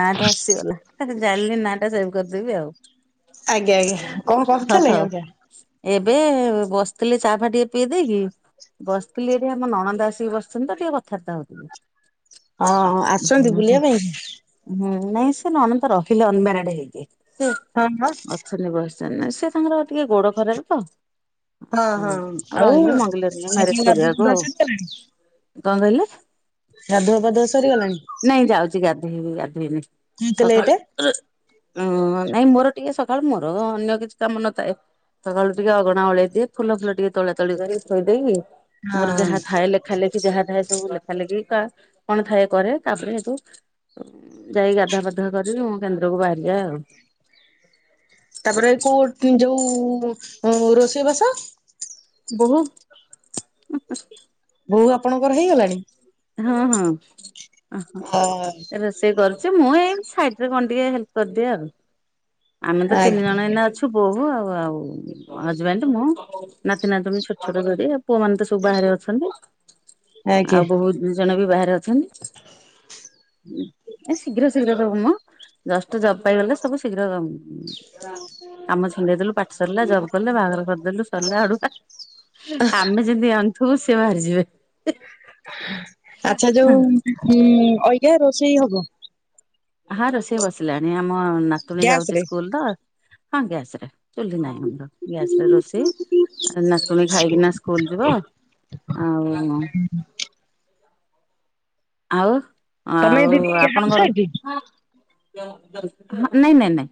ନା ଟା ଆସିଗଲା ଜାଣିଲି ନା ଟା ସେବ କରିଦେବି ଆଉ। ଆଜ୍ଞା, ଆଜ୍ଞା। କଣ ହ କରୁଥିଲେ ହଉ ଅବିକା? ଏବେ ବସିଥିଲି ଚା ଫା ଟିକେ ପିଇ ଦେଇେକି। ବସିଥିଲି ଏଠି ଆମ ନଣନ୍ଦ ଆସିକି ବସିଛନ୍ତି ତ ଟିକେ କଥାବାର୍ତ୍ତା ହଉଥିଲି। ହଁ ଆସିଛନ୍ତି ହୁଁ ହୁଁ। ବୁଲିବା ପାଇଁ। ହୁଁ ନାଇଁ ସେ ନଣନ୍ଦ ରହିଲେ ଅନମ୍ୟାରେଡେ ହେଇକି ହୁଁ ହଁ ହଁ ସେ ଅଛନ୍ତି ବସ ନ ସେ ତାଙ୍କର ଟିକେ ଗୋଡ ଖରାପ ହଁ ହଁ ତ। ଆଉ ରହିଲେ ମଙ୍ଗିଲେନି ସକାଳୁ ମ୍ୟାରେଜ ଗାଧୁଆ କରିବାକୁ ପାଧୁଆ ଆଉ। ସରିଗଲାଣି? କଣ କହିଲେ? ଗାଧୁଆ ପାଧୁଆ ସରିଗଲାଣି? ନାଇଁ ଯାଉଛି ଗାଧେଇବି ଗାଧେଇନି। କଣ ଏତେ ଲେଟେ? ସକାଳୁ ଓ ନାଇଁ ମୋର ଟିକେ ସକାଳୁ ମୋର ଅନ୍ୟ କିଛି କାମ ନଥାଏ। ସକାଳୁ ଟିକେ ଅଗଣା ଓଳେଇ ଦିଏ। ଫୁଲ ଫୁଲ ଟିକେ ତୋଳା ତୋଳି କରି ଥୋଇଦେଇକି ମୋର ହଁ ଯାହା ଥାଏ ଲେଖା ଲେଖି ଯାହା ଥାଏ ସବୁ ଲେଖା ଲେଖି କ କଣ ଥାଏ କରେ, ତାପରେ ସେତୁ ତ ଯାଇକି ଗାଧୁଆ ପାଧୁଆ କରିକି ମୋ କେନ୍ଦ୍ରକୁ ବାହାରି ଯାଏ ଆଉ। ତାପରେ କୋଉ ଯୋଉ ଅଁ-ରୋଷେଇବାସ? ବୋହୁ ଉଁ ହୁଁ। ବୋଉ ଆପଣଙ୍କର ହେଇଗଲାଣି? ହଁ ହଁ, ଆ ହଁ ରୋ ସେ କରୁଛି ମୁଁ ଏଇ ସାଇଟ୍ ରେ କଣ ଟିକେ ହେଲ୍ପ କରିଦିଏ ଆଉ, ଆମେ ତ ଆଜ୍ଞା ତିନି ଜଣ ଏଇନା ଅଛୁ। ବୋହୁ ଆଉ ଆଉ ମୋ ହଜବାଣ୍ଟ, ମୁଁ, ନାତି, ନାତୁଣୀ ଛୋଟ ଛୋଟ ଘରିଆ ପୁଅ ମାନେ ତ ସବୁ ବାହାରେ ଅଛନ୍ତି। ଆଜ୍ଞା ଆଉ ବୋହୁ ଦୁଇ ଜଣ ବି ବାହାରେ ଅଛନ୍ତି। ଏ ଶୀଘ୍ର ଶୀଘ୍ର ସବୁ ମ ଜଷ୍ଟ ଜବ୍ ପାଇଗଲେ ସବୁ ଶୀଘ୍ର ଉ ମ୍ କାମ ଛିଣ୍ଡେଇଦେଲୁ, ପାଠ୍ ସରିଲା, ଜବ୍ କରିଲେ, ବାହାଘର କରିଦେଲୁ ସରିଲା ଆଡୁଆ। ଆମେ ଯେମ୍ତି ଆନ୍ଥୁବୁ ସିଏ ବାହାରିଯିବେ। ଆଚ୍ଛା ଯୋଉ ଉଁ ଅଇଗା ରୋଷେଇ ହବ? ହଁ ରୋଷେଇ ବସିଲାଣି, ଆମ ନାତୁଣୀ ଗ୍ୟାସ ଯାଉଚି ରେ ସ୍କୁଲ୍ ତ ହଁ ଗ୍ୟାସ୍ ରେ ଚୁଲି ନାହିଁ ଆମର, ଗ୍ୟାସ୍ ରେ ରୋଷେଇ ଆ ନାତୁଣୀ ଖାଇକିନା ସ୍କୁ ସ୍କୁୁଲ୍ ଯିବ ଆଉ ଉଁ ହୁଁଁ। ଆଉ ତମେ ଆଉ ଦିଦି ହାଉସ ଆପଣଙ୍କର ୱାଇଫ? ହଁ ନାଇଁ ନାଇଁ ନାଇଁ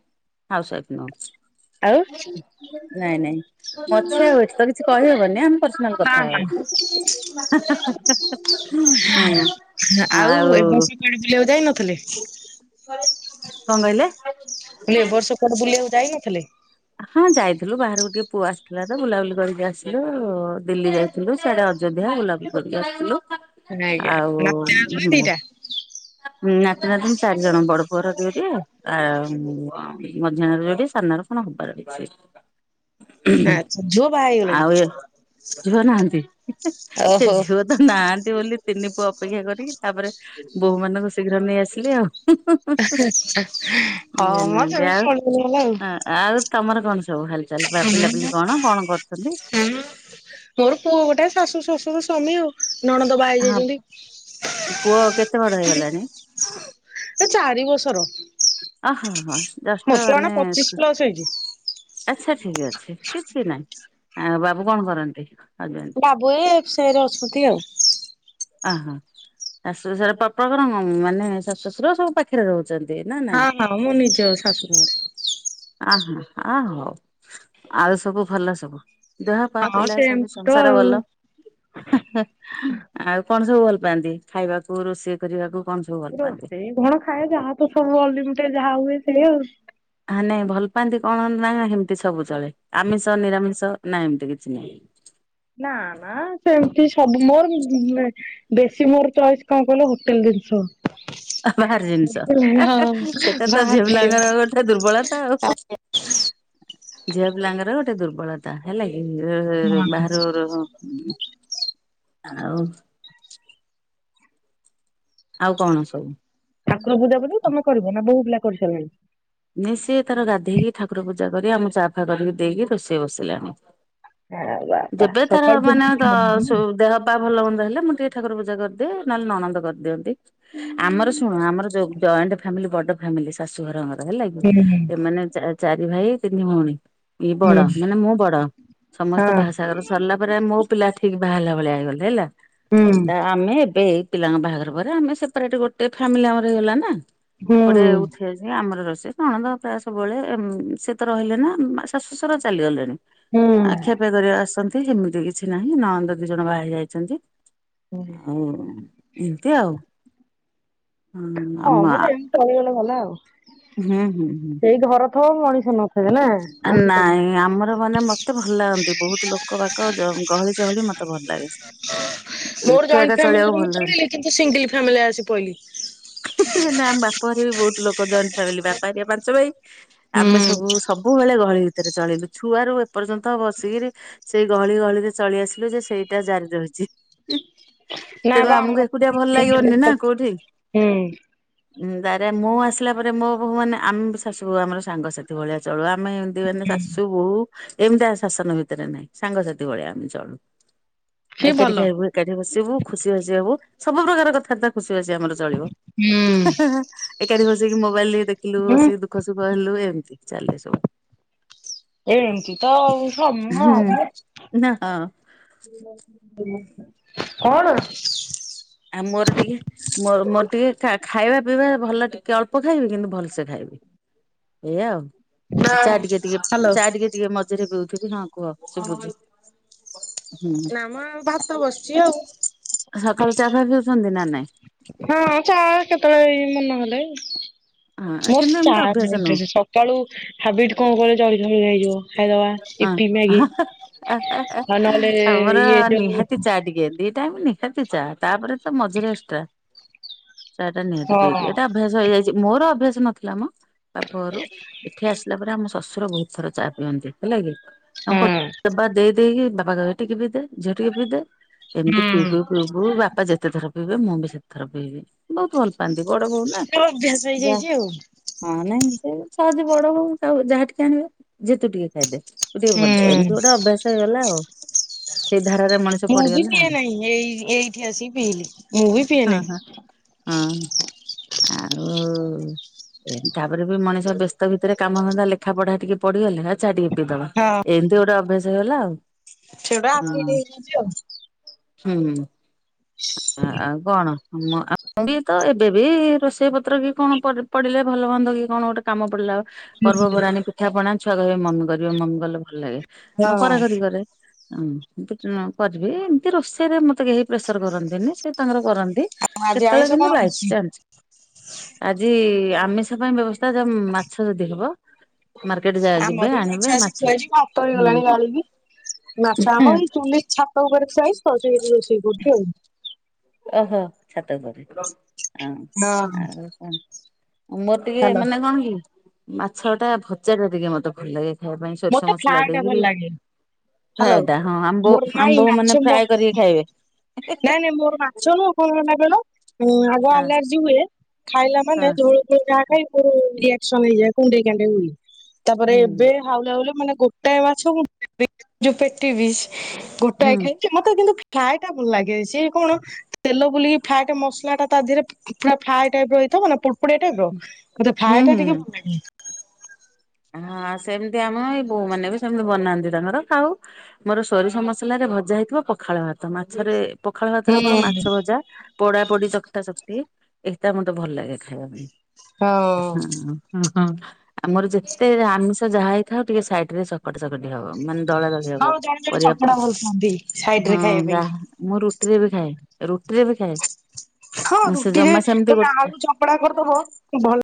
ହାଉସୱାଇଫ୍ ନୁହଁ। ଆଉ ନାଇଁ ନାଇଁ ପଛରେ ଏଠି ତ କିଛି କହିହବନି, ଆମେ ପର୍ସନାଲ୍ ହଁ କଥା ହବା। ହାଁ ହାଁ ହାଁ ହାଁ ପାନ। ନା ଆଉ ଏ ବର୍ଷ କୁଆଡେ ବୁଲିଆକୁ ଯାଇ ନଥିଲେ? କଁ କହିଲେ? ମୁଁ କଇଲି ଏବ ବର୍ଷ କୁଆଡେ ବୁଲିଆକୁ ଯାଇନଥିଲେ? ହଁ ଯାଇଥିଲୁ ବାହାରକୁ ଟିକେ ପୁଅ ଆସଥିଲା ତ ବୁଲାବୁଲି କରିକି ଆସିଲୁ, ଦିଲ୍ଲୀ ଯାଇ ଯାଇଥିଲୁ ସିଆଡେ ଅଯୋଧ୍ୟା ବୁଲା ବୁଲି କରିକି ଆସିଥିଲୁ, ଆଜ୍ଞା ଆଉ ନାତି ନାତୁଣୀ ଝୁମ୍ ଦିଟା? ନାତି ନାତୁଣୀ ଚାରି ଜଣ ବଡପୁଅ ର ଯୋଡିଏ ଆଁ -ଉ-ଅଁ-ମଝିଆ ର ଯୋଡିଏ ସାନ ର କଣ ହବାର କିଛି ଆଚ୍ଛା ଝୁଅ ବାହା ହେଇଗଲେଣି? ଆଉ ଏ ଝିଅ ନାହାନ୍ତି? ହୁଁ ହୁଁ ସେ ଓହୋ। ଝୁଅ ତ ନାହାନ୍ତି ବୋଲି ତିନି ପୁଅ ଅପେକ୍ଷା କରିକି ତାପରେ ବୋହୁ ମାନଙ୍କୁ ଶୀଘ୍ର ନେଇ ଆସିଲେ ଆଉ। ଉଁ ହୁଁ ହୁଁ, ହଁ ମ ଜାଣିନାହାନ୍ତି ସେମିତି ଆଉ ଶୁଣିଲିନି ହେଲା ଆଉ। ହଁ ଆଉ ତମର କଣ ସବୁ ହାଲ଼ ଚାଲ୍ ବା ହୁଁ, ପିଲାପିଲି କଣ? କଣ କରୁଚନ୍ତି? ମୋର ପୁଅ ଗୋଟାଏ, ଶାଶୁ, ଶ୍ୱଶୁର, ସ୍ୱାମି ଆଉ। ନଣନ୍ଦ ବାହାହେଇ ହଁ ଯାଇଚନ୍ତି। ପୁଅ କେତେ ବଡ ହେଇଗଲାଣି? [inaudible] ଏ ଚାରି ବର୍ଷର। ଅ ହଁ ହଁ ମୋର ଜଷ୍ଟ ତ ଏଇନା ମାନେ ପଚିଶ ପ୍ଲସ ହେଇଛି ଆଚ୍ଛା ଠିକ୍ ଅଛି କିଛି ନାଇଁ, ଆ ବାବୁ କଣ କରନ୍ତି? ହଜେବେଣ୍ଟ। ବାବୁ ଏଇ ଏ ଫ୍ ସାଇ ରେ ଅଛନ୍ତି ଆଉ। ଅଁ ହଁ ଶାଶୁ, ଶ୍ୱଶୁର ପପ ଗର ମାନେ ଶାଶୁ, ଶ୍ୱଶୁର ସବୁ ପାଖରେ ରୋହୁ ଚନ୍ତି ନା ହଁ ନାଇଁ? ହଁ ମୋ ନିଜ ଶାଶୁର ଘରେ। ଆ ହଁ ଆ ହୋଉ, ଆଉ ସବୁ ଭଲ ସବୁ? ଦେହ ପା, ହଁ ପିଲା, ସବୁ ସେମିତି ତ ସଂସାର ଆଉ। ବଲ? ହୁଁ ହୁଁ ଆଉ କଣ ସବୁ ଭଲ ପାଆନ୍ତି? ଖାଇବାକୁ ରୋଷେ କରିବାକୁ କଣ ସବୁ? ଭଲ ପାଆନ୍ତି? ରୋଷେଇ କଣ ଖାଏ ଯାହା ତୋ ସବୁ ଅଲଲିମିଟେଡ୍ ଯାହା ହୁଏ ସେୟା ଆଉ। ମାନେ ଭଲ ପାଆନ୍ତି କଣ ନା ହେମିତି ସବୁ ଚଳେ ଆମିଷ ନିରାମିଷ ନା ଏମିତି କିଛି ନାହିଁ। ନାଁ ନାଁ ସେମିତି ସବୁ ମୋର ବେଶୀ ମୋର ଚଏସ୍ କଣ କହିଲ ହୋଟେଲ୍ ଜିନିଷ। ବାହାର ଜିନିଷ ସେଟା ତ ବାହାର ଖାଇବ। ଝିଅପିଲାଙ୍କର ଗୋଟେ ଦୁର୍ବଳତା ଆଉ। [inaudible] ଝିଅ ପିଲାଙ୍କର ଗୋଟେ ଦୁର୍ବଳତା ହେଲା କି ବାହାରର ଆଉ ଆଉ କଣ ସବୁ? ଠାକୁର ପୂଜା ପୂଜି ତମେ କରିବ ନା ବହୁ ପିଲା କରିସାରିଲଣି? ସିଏ ତାର ଗାଧେଇକି ଠାକୁର ପୂଜା କରି ଆମକୁ ଚା ଫା କରିକି ଦେଇକି ରୋଷେଇ ବସେଇଲାଣି। ଆ ବାବା ଯେବେ ତାର ସକାଳୁ ହୁଁ ମାନେ ଦେହ ବା ଭଲ ବନ୍ଦ ହେଲେ ମୁଁ ଟିକେ ଠାକୁର ପୂଜା କରିଦିଏ ନହେଲେ ନଣନ୍ଦ କରିଦିଅନ୍ତି। ଆମର ଶୁଣ ଆମର ଯୋଉ ଜଏଣ୍ଟ ଫ୍ୟାମିଲି ବଡ ଫ୍ୟାମିଲି ଶାଶୁ ଘର। ହେଲାକି ଏମାନେ ଚା ଚାରି ଭାଇ ତିନି ଭଉଣୀ। ଇ ହୁଁ ବଡ ମାନେ ମୁଁ ବଡ ସମସ୍ତ ହଁ ଭାହାଷାଗର ସରିଲା ପରେ ମୋ ପିଲା ଠିକ୍ ବାହାରିଲା ଭଳିଆହେ ଇଗଲେ ହୁଁ ହେଲା। ଆମେ ଏବେ ଏଇ ପିଲାଙ୍କ ବାହାଘର ପରେ ଆମେ ସେପା ରେଟ୍ ଗୋଟେ ଫ୍ୟାମିଲି ଆମର ହେଇଗଲା ନା ହୁଁ ଏପଟେ ସେ ଆମର ରୋଷେଇ କଣ ତ ପ୍ରାୟ ସବୁବେଳେ ସେ ତ ରହିଲେ ନା ଶାଶୁଶଶୁର ଚାଲିଗଲେଣି। ହୁଁ। ଆ ଖିଆପିଆ କରିବାକୁ ଆସନ୍ତି ସେମିତି କିଛି ନାହିଁ ନଣନ୍ଦ ଦି ଜଣ ବାହାହେଇ ଯାଇଛନ୍ତି। ହୁଁ। ଆଉ ଏମିତି ଆଉ। ହଁ ଆମ ମ ଯେମିତି ଚଳିଗଲେ ଭଲ ଆଉ। ହୁଁ ହୁଁ। ସେଇ ଘର ଥବ ମଣିଷ ନଥିବେ। ହେଜେ ନା ଆଜିକାଲି [inaudible] ନାଇଁ ଆମର ମାନେ ମତେ ଭଲ ଲାଗନ୍ତି ବହୁତ ଲୋକ ବାକ ଗହଳି ଚହଳି ମତେ ଭଲ ଲାଗେ ମୋର ଏକା ଏକା ଜଏଣ୍ଟ ଚଳିବାକୁ ଫ୍ୟାମିଲି ମୁଁ ଭଲ ଚଳେଇଲି କିନ୍ତୁ ସିଙ୍ଗିଲ୍ ଫ୍ୟାମିଲି ଆସି ପଇଲି। ବାପା ଘରେ ବି ବହୁତ ଲୋକ ଜଏଣ୍ଟ ଫ୍ୟାମିଲି ବାପା ହେରିକା ପାଞ୍ଚ ଭାଇ। ହୁଁ। ଆମେ ସବୁ ସବୁବେଳେ ଗହଳି ଭିତରେ ଚଳିଲୁ ଛୁଆ ର ଏପର୍ଯ୍ୟନ୍ତ ବସିକି ସେଇ ଗହଳି ଗହଳିରେ ଚଳି ଆସିଲୁ ଯେ ସେଇଟା ଜାରି ରହିଛି। ନା ତେଣୁ ବା ଆମକୁ ଏକୁଟିଆ ଆମର ଭଲ ସିଙ୍ଗଲ ଲାଗିବନି ନା ହୁଁ। କୋଉଠି। ହୁଁ ନାଇଁ ନାଇଁ ମୁଁ ଆସିଲା ପରେ ମୋ ବୋହୁ ମାନେ ଆମ ଶାଶୁ ବୋହୁ ଆମର ସାଙ୍ଗସାଥି ଭଳିଆ। ଚଳୁ ଆମେ ଏମିତି ମାନେ ସାଶୁ ବୋହୁ ଏମିତି ଶାସନ ଭିତରେ ନାହିଁ ସାଙ୍ଗସାଥି ଭଳିଆ ଆମେ ଚଳୁ ସିଏ ଏକାଠି ଭଲ ଖାଇବୁ। ସେ ବୋହୁ ଖୁସି ବାସିଆ ବୋହୁ ସବୁ ପ୍ରକାର କଥାଵାର୍ତା ଖୁସି ବାସି ଆମର। ଚଳିବ ହୁଁ। ଏକାଠି ବସିକି ମୋବାଇଲ ଦେଖିଲୁ ହୁଁ ବସିକି ଦୁଃଖ ସୁଖ ହେଲୁ ଏମିତି। ଚାଲିଚି ସବୁ। ଏମିତି ତ ହୁଁ [unintelligible] ନା ହଁ କଣ? ଆଉ ମୋର ଟିକେ ମୋ ମୋର ଟିକେ ଖାଇବା ପିଇବା ଭଲ ଟିକେ ଟିକେ ଅଳ୍ପ ଖାଇବି କିନ୍ତୁ ଭଲସେ ଖାଇବି ଏଇଆା ଆଉ ନା ଆଉ ଚା ଟିକେ ଟିକେ ହ୍ୟାଲୋ। ଚା ଟିକେ ଟିକେ ମଝିରେ ପିଉଥିବି ହଁ କୁହ ଶୁଭୁଚି। ନାଁ ମ ଭାତ ବସିଚି ଆଉ। ସକାଳୁ ଚାଫା ପିଉଚନ୍ତି ନାଁ? ହଁ ଚା କେତେଓଳେ ମନହେଲେ ହଁ ମୋ କିନ୍ତୁ ଏମିତି ସାର୍ଟ ଅଭ୍ୟାସ ନୁହଁ [unintelligible] ସକାଳୁ ହାବିଟ କଣ କଲେ ଚଳି ଚଳି ହେଇଯିବ। ଖାଇଦେବା ଇପି ମ୍ୟାଗି। ଆହା ହା ଆଉ ନହେଲେ ଆମର ଇଏ ଯୋଉ ନିହାତି ଚା ଟିକେ ଦି ଦି ଟାଇମ୍ ନିହାତି ଚା ତାପରେ ତ ମଝିରେ ଏକ୍ସଟ୍ରା। ଚାହା ଟା ନିହାତି ହଁ ପିଇବି ଏଇଟା ଅଭ୍ୟାସ ହେଇଯାଇଛି। ମୋର ଅଭ୍ୟାସ ନଥିଲା ମ। ବାପ ଘରୁ ଏଠି ଆସିଲା ପରେ ଆମ ଶ୍ୱଶୁର ବହୁତ ଥର ଚା ପିଅନ୍ତି ହେଲା କି ତାଙ୍କ ହଁ [inaudible] ଦେଇ ଦେଇକି ବାପା କହିବେ ଟିକେ ପିଇଦେ ଝିଅ ଟିକେ ପିଇଦେ ଏମିତି ପିଉ ହୁଁ। ପିଉ ପିଉ ପିଉ ବାପା ଯେତେ ଥର ପିଅନ୍ତି ମୁଁ ବି ସେତେ ଥର ପିଇବି ବହୁତ ଭଲ ପାଆନ୍ତି ବଡ ବୋହୁ ନା। ମୋର ଅଭ୍ୟାସ ଯାହା ହେଇଯାଇଛି ଆଉ। ହଁ ନାଇଁ ସେ ସହଜେ ବଡ ବୋହୁ ଯାହା ଟିକେ ଆଣିବେ ଝିଅ ତୁ ଟିକେ ଖାଇଦେ। [unintelligible] ଏମିତି ଗୋଟେ ଅଭ୍ୟାସ ହେଇଗଲା ଆଉ ସେଇ ଧାରାରେ ମଣିଷ ମୁଁ ବି ପଡିଗଲା ପିଏ ଆଉ। ନାହିଁ ଏଇ ଏଇଠି ଆସିି ପିଇଲି ମୁଁ ବି ପିଏ ହଁ ହଁ। ନାହିଁ। ହଁ ଆଉ ତାପରେ ବି ମଣିଷ ବ୍ୟସ୍ତ ଭିତରେ କାମ ଧନ୍ଧା ଲେଖା ପଢା ଟିକେ ପଢିଗଲେ ଚା ଟିକେ ପି ଦବା ଏମିତି ଗୋଟେ ଅଭ୍ୟାସ ହେଇଗଲା ଆଉ। ସେଇଗୁଟା ଆବିଟ ହେଇ ଯାଇଛି ଆଉ। ହୁଁ ଆ ଆଉ କଣ ମ ଆ ମୁ ବି ତ ଏବେ ବି ରୋଷେଇ ପତ୍ର କି କଣ ପଡ ପଡିଲେ ଭଲ ମନ୍ଧ କି କଣ ଗୋଟେ। କାମ ପଡିଲା ପର୍ବପର୍ବାଣୀ ପିଠା ପଣା ଛୁଆ କହିବେ ମମି କରିବ ମମି କଲେ ଭଲ ଲାଗେ। ମୁଁ ହଁ କରା କରି କରେ। ହଁ [unintelligible] କରିବି ଏମିତି ରୋଷେଇରେ ମୋତେ କେହି ପ୍ରେସର କରନ୍ତିନି ସେ ତାଙ୍କର କରନ୍ତି। ଆଜି ଆଇଁଷ କେତେବେଳେ କଣ କେମିତି ହେଇଛି? ବାଇଚାନ୍ସ। [inaudible] ଆଜି ଆମିଷ ପାଇଁ ବ୍ୟବସ୍ଥା ଯା ମାଛ ଯଦି ହେବ। ଆମର ବି ମାଛ ଆସି ଥୁଆ ହେଇଛି। ଭାତ ହୁଁ ହେଇଗଲାଣି ଗାଳିବି। ମାଛ ଆମର ଏଇ ଚୁଲି ଛାତ ଉପରେ ଥୁଆ ହେଇଛି ତ ସେଇଠି ରୋଷେଇ କରୁଚି ଆଉ। ଓହୋ ଛାତ ଉପରେ ହ ହଁ। ଆଉ କଣ। ମୋର ଟିକେ ହାଲୋ। ମାନେ କଣ କି ମାଛ ଟା ଭଜାଟା ଟିକେ ମୋତେ ଭଲ ଲାଗେ। ଖାଇବା ପାଇଁ ମତେ ସୋରିଷ ମସଲା ଫ୍ରାଏ ଟା ଭଲ ଦେଇକିରି। ଲାଗେ। ହାଲୋ। ଫ୍ରାଏ ଟା ହଁ ଆମ୍ ବୋ ମୋର ଆମ୍ ନାଇଁ ବୋହୂ ମାଛ ମାନେ ଫ୍ରାଏ କରିକି ଖାଇବେ। ତୋର ନାଚ ନୁହଁ କଣ ହେଲା କହିଲ? ହୁଁ ଆଗ ହଁ ଆଲର୍ଜି ହୁଏ ଖାଇଲା ମାନେ ହଁ। ଝୋଳୋ ଫୋଳୋ ଯାହା ଖାଇବି ରିଆକ୍ସନ ହେଇଯାଏ କୁଣ୍ଡେଇ କାଣ୍ଡେଇ ହୁଏ। ତାପରେ ହୁଁ ଏବେ ହାଉଲେ ହାଉଲେ ମାନେ ଗୋଟାଏ ମାଛ ମୁଁ [inaudible] ଯୋଉ ପେଟି ପିଶ୍ ଗୋଟାଏ ହୁଁ ଖାଇ ମୋତେ କିନ୍ତୁ ଫ୍ରାଏଟା ଭଲ ଲାଗେ ସ କଣ ତେଲ ବୁଲିକି ଫ୍ରାଏଟ୍ ମସଲା ଟା ତା ଦେହରେ ଫା-ଫା- ପୁରା ଫ୍ରଏ ଟାଇପ ହେଇଥିବନା ପୁ କୁଏଟାଇପର୍ ମୋତେ ହୁଁ ଫାଏ ଟା ହୁଁ ହୁଁ। ଟିକେ ଭଲ ଲାଗ। ହଁ ସେମିତି ଆମ ଏଇ ବୋହୂ ମାନେ ବି ସେମିତି ବନାନ୍ତି ତାଙ୍କର ଖାଉ। ମୋର ସୋରିଷ ମସଲାରେ ଭଜା ହେଇଥିବ ପଖାଳ ଭାତ ମାଛରେ ପଖାଳ ହୁଁ ଭାତରେ ମୋର ମାଛ ଭଜା। ପୋଡା ପୋଡି ଚକଟା ଚକଟି ଏଇତା ମୋତେ ଭଲ ଲାଗେ ଖାଇବା ପାଇଁ ହଁ ହଁ ପୋ ହଁ ହଁ ଆମର ଯେତେ ଆମିଷ ଯାହା ହେଇଥାଉ ଟିକେ ସାଇଡ ରେ ତ ଚକଟା ଚକଟି ହବ ମାନେ ଦଳା ଦଳି ହଁ ହବ ଜଣେ ଜଣେ ପରିବା ଚକଡା ଭଲ ପାଆନ୍ତି ସାଇଡ ରେ ହଁ ଖାଇବା ପାଇଁକି ଯାହା। ମୁଁ ରୁଟିରେ ବି ଖାଏ ରୁଟିରେ ବି ଖାଏ ମୁଁ ସେ ଜମା ସେମିତି ଗୋଟେ କପଡା କରିଦବ ଭଲ୍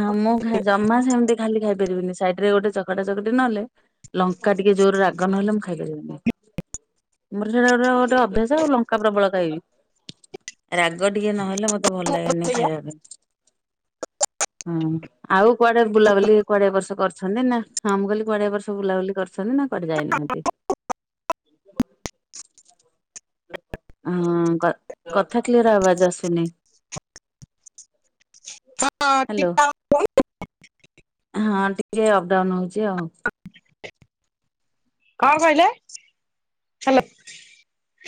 ହଁ ମୁଁ ଖା ଜମା ସେମିତି ଖାଲି ଖାଇପାରିବିନି ସାଇଡ ରେ ଗୋଟେ ଚକଟା ଚକଟି ନହେଲେ। ଲଙ୍କା ଟିକେ ଜୋରରେ ରାଗ ନହଲେ ମୁଁ ଖାଇପାରିବିନି। ମୋର ସେଟା ଗୋଟ ଗୋଟେ ଅଭ୍ୟାସ ଆଉ ଲଙ୍କା ପ୍ରବଳ ଖାଇବି। ରାଗ ଟିକେ ନହେଲେ ମତେ ଭଲ ଲାଗେନି ଖାଇବା ପାଇଁ। ହଁ ଆଉ କୁଆଡେ ବୁଲାବୁଲି କୁଆଡେ ବର୍ଷ କରିୁଛି। ଅଛନ୍ତି ନା କମ କଲି କଡିଆ ବର୍ଷ ବୁଲାବୁଲି କରିଛନ୍ତି ନା କରି ଯାଇନାହାନ୍ତି? [unintelligible] ହଁ କଥା କ୍ଲିୟର ଆବାଜ ଆସୁନି। ହଁ ହ୍ୟାଲୋ [unintelligible] ହଁ ଟିକେ ଅପଡାଉନ ହଉଛି ଆଉ ହଁ କହିଲେ ହ୍ୟାଲୋ।